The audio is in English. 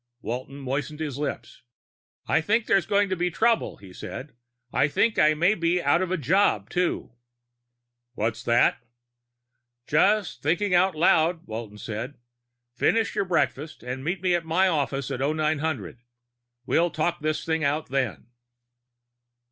Walton moistened his lips. "I think there's going to be trouble," he said. "I think I may be out of a job, too." "What's that?" "Just thinking out loud," Walton said. "Finish your breakfast and meet me at my office at 0900. We'll talk this thing out then."